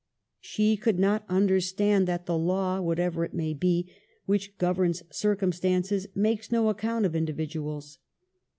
She could not understand that the law, what ever it may be, which governs circumstances, makes no account of individuals.